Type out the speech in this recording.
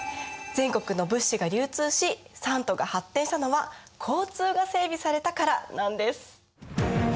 全国の物資が流通し三都が発展したのは交通が整備されたからなんです。